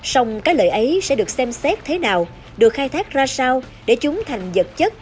sông cái lợi ấy sẽ được xem xét thế nào được khai thác ra sao để chúng thành vật chất